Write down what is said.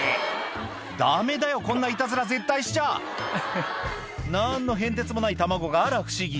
ダメだよこんないたずら絶対しちゃ「何の変哲もない卵があら不思議」